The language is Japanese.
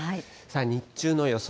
日中の予想